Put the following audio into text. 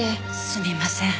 すみません。